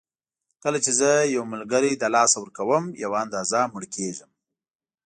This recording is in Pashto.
کله چې زه یو ملګری له لاسه ورکوم یوه اندازه مړ کېږم.